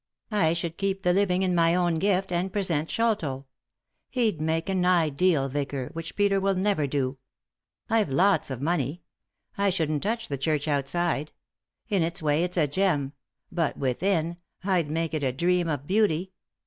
I should keep the living in my own gift, and present Sholto. He'd make an ideal vicar, which Peter never will do. I've lots of money. I shouldn't touch the church outside ; in its way it's a gem ; but within — I'd make it a dream of beauty.